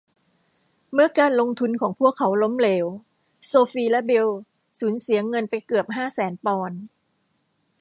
เมื่อการลงทุนของพวกเขาล้มเหลวโซฟีและบิล สูญเสียเงินไปเกือบห้าแสนปอนด์